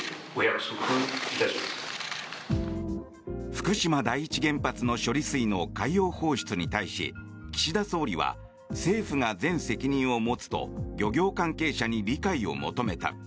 福島第一原発の処理水の海洋放出に対し岸田総理は政府が全責任を持つと漁業関係者に理解を求めた。